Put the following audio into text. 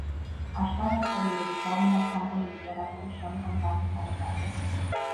აშკარაა „წერილების“ გავლენა ფრანგული ლიტერატურის შემდგომ განვითარებაზე.